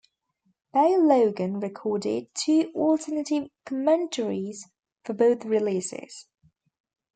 Bey Logan recorded two alternative commentaries for both releases.